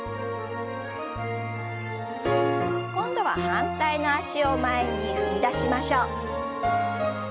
今度は反対の脚を前に踏み出しましょう。